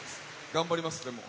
頑張りますでも。